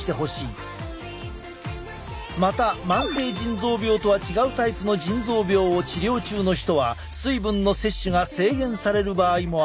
また慢性腎臓病とは違うタイプの腎臓病を治療中の人は水分の摂取が制限される場合もある。